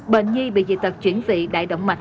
bệnh nhi bị dị tật chuyển vị đại động mạch